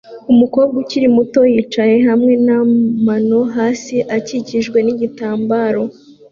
Umukobwa ukiri muto yicaye hamwe n'amano hasi akikijwe nigitambara